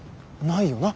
ないよな。